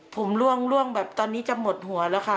ผมล่วงแบบตอนนี้จะหมดหัวแล้วค่ะ